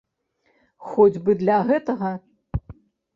Хоць бы для гэтага!